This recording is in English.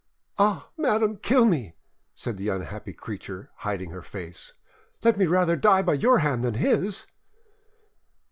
"—"Ah! madame, kill me," said the unhappy creature, hiding her face; "let me rather die by your hand than his!"